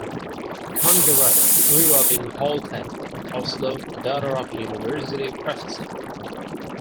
Kongerud grew up in Holtet, Oslo, the daughter of a university professor.